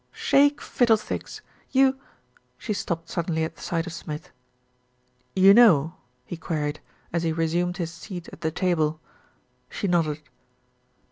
"Shake fiddlesticks! You " She stopped suddenly at the sight of Smith. "You know?" he queried, as he resumed his seat at the table. She nodded.